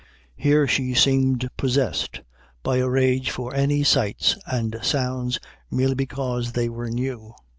Here she seemed possessed by a rage for any sights and sounds merely because they were new.